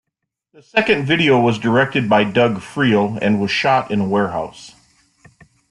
The second video was directed by Doug Freel and was shot in a warehouse.